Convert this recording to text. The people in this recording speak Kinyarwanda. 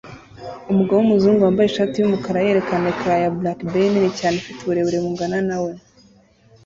Umugabo wumuzungu wambaye ishati yumukara yerekana ecran ya blackberry nini cyane ifite uburebure bungana na we